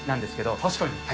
確かに。